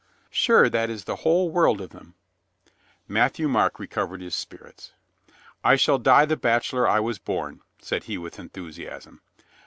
"Sure that is the whole world of them!" Matthieu Marc recovered his spirits. "I shall die the bachelor I was born," said he with enthusiasm.